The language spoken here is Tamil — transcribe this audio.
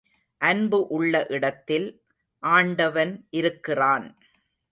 அன்பு உள்ள இடத்தில் ஆண்டவன் இருக்கிறான்.